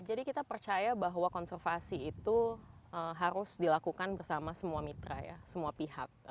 jadi kita percaya bahwa konservasi itu harus dilakukan bersama semua mitra ya semua pihak